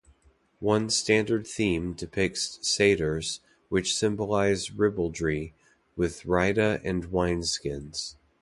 One standard theme depicts satyrs, which symbolize ribaldry, with rhyta and wineskins.